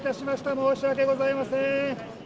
申し訳ございません。